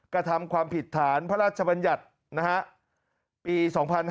กระทำความผิดฐานพระราชบัญญัติปี๒๕๕๙